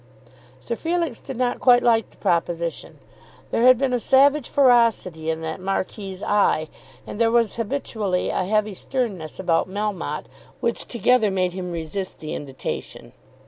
Sir Felix did not quite like the proposition. There had been a savage ferocity in that Marquis's eye, and there was habitually a heavy sternness about Melmotte, which together made him resist the invitation.